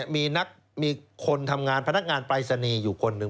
มีคนทำงานพนักงานปรายศนีย์อยู่คนหนึ่ง